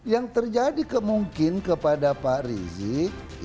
yang terjadi kemungkin kepada pak rizie